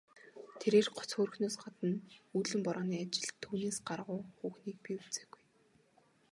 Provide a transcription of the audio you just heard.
Тэрээр гоц хөөрхнөөс гадна үүлэн борооны ажилд түүнээс гаргуу хүүхнийг би үзээгүй.